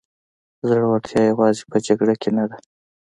زړورتیا یوازې په جګړه نه ده.